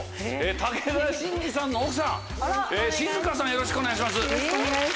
よろしくお願いします。